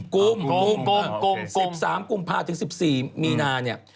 กุมกุม๑๓กุมภาพันธ์ถึง๑๔มีนาคมเนี่ย